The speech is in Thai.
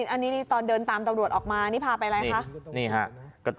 อันนี้ตอนเดินตามตำรวจออกมานี่พาไปอะไรคะ